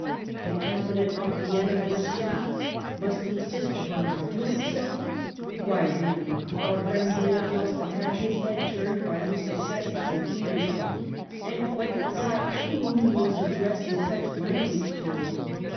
The Cabinet of Vienna, forsooth, must insist upon our doing so! Why really our friend Buol must have had his head turned by his success at St. Petersburg, and quite forgot whom he was addressing such language to.